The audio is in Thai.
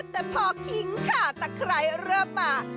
แต่พอคิงขาตะไคร้เริ่มมา